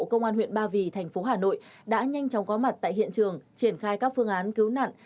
công an huyện ba vì thành phố hà nội đã nhanh chóng có mặt tại hiện trường triển khai các phương án cứu nạn